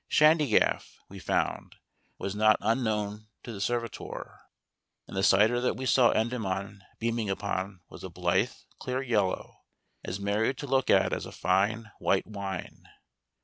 Shandygaff, we found, was not unknown to the servitor; and the cider that we saw Endymion beaming upon was a blithe, clear yellow, as merry to look at as a fine white wine.